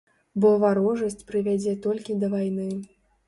Бо варожасць прывядзе толькі да вайны.